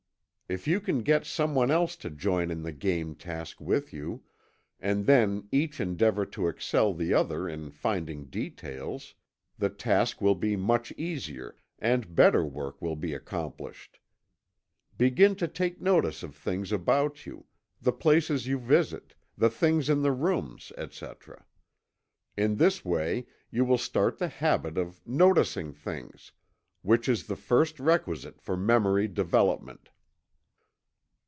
If you can get some one else to join in the game task with you, and then each endeavor to excel the other in finding details, the task will be much easier, and better work will be accomplished. Begin to take notice of things about you; the places you visit; the things in the rooms, etc. In this way you will start the habit of "noticing things," which is the first requisite for memory development.